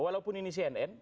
walaupun ini cnn